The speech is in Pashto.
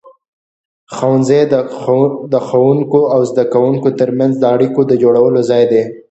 ښوونځی د ښوونکو او زده کوونکو ترمنځ د اړیکو د جوړولو ځای دی.